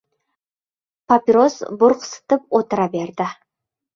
Papiros burqsitib o‘tira berdi.